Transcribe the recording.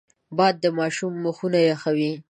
باد د ماشومانو مخونه یخوي